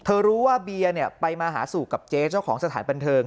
รู้ว่าเบียร์ไปมาหาสู่กับเจ๊เจ้าของสถานบันเทิง